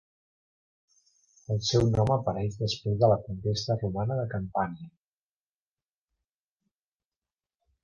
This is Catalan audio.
El seu nom apareix després de la conquesta romana de Campània.